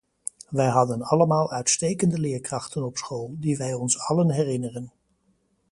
Wij hadden allemaal uitstekende leerkrachten op school, die wij ons allen herinneren.